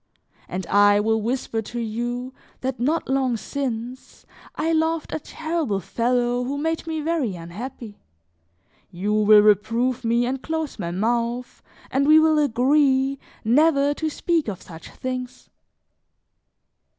And I will whisper to you that not long since, I loved a terrible fellow who made me very unhappy; you will reprove me and close my mouth, and we will agree never to speak of such things."